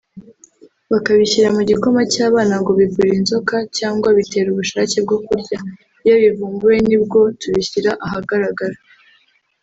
bakabishyira mu gikoma cy’abana ngo bivura inzoka cyangwa bitera ubushake bwo kurya… iyo bivumbuwe nibwo tubishyira ahagaragara